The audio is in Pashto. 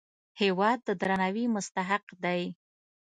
هېواد د درناوي مستحق دی.